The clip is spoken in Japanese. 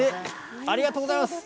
ありがとうございます。